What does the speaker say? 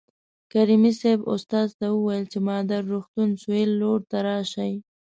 کریمي صیب استاد ته وویل چې مادر روغتون سویل لور ته راشئ.